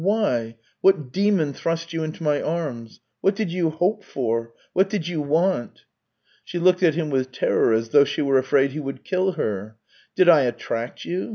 " Why ? What demon thrust you into my arms ? What did you hope for ? What did you want ?" She looked at him with terror, as though she were afraid he would kill her. " Did I attract you